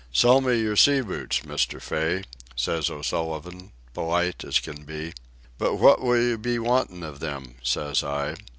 "Sell me your sea boots, Mr. Fay," says O'Sullivan, polite as can be. "But what will you be wantin' of them?" says I.